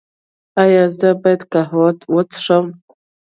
ایا زه باید قهوه وڅښم؟